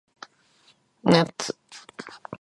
ナッツ